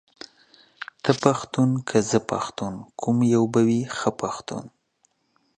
ته پښتون که زه پښتون ، کوم يو به وي ښه پښتون ،